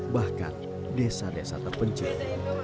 bahkan desa desa terpencil